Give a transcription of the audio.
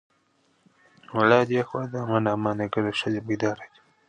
She represented Uzbekistan at the inaugural junior World Championships.